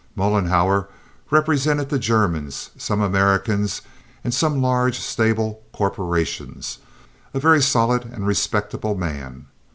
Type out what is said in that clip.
Mollenhauer represented the Germans, some Americans, and some large stable corporations—a very solid and respectable man.